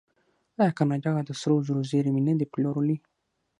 آیا کاناډا د سرو زرو زیرمې نه دي پلورلي؟